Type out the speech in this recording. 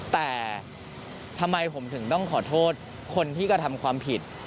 แต่ทำไมผมถึงต้องขอโทษคนที่กระทำความผิด